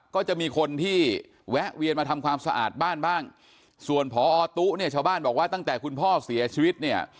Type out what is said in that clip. ก็จะมีคนที่แวะเวียนมาทำความสะอาดบ้านบ้างส่วนพอตุ๊เนี่ยชาวบ้านบอกว่าตั้งแต่คุณพ่อเสียชีวิตเนี่ย